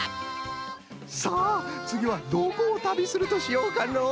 さあつぎはどこを旅するとしようかのう？